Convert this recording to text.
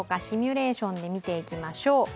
シミュレーションで見ていきましょう。